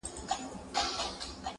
تر غوړ لمر لاندي يې تل كول مزلونه.!